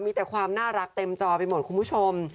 มีแต่ความน่ารักเต็มจอไปหมดคุณผู้ชม